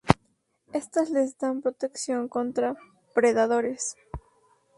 Estas les dan protección contra predadores.